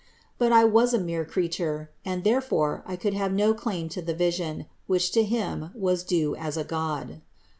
But I was a mere creature, and therefore I could have no claim to the vision, which to Him was due as a God.